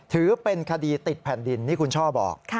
ถือเป็นคดีติดแผ่นดินนี่คุณช่อบอก